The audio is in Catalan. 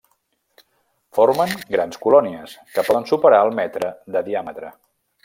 Formen grans colònies que poden superar el metre de diàmetre.